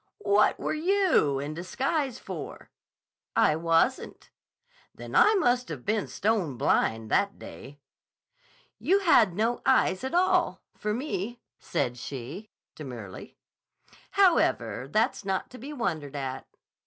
"What were you in disguise for?" "I wasn't." "Then I must have been stone blind that day!" "You had no eyes at all—for me," said she demurely. "However, that's not to be wondered at."